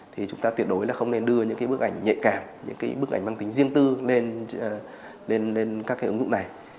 thì chúng ta tuyệt đối là không nên đưa những cái bức ảnh nhạy cảm những cái bức ảnh mang tính riêng tư lên các cái ứng dụng này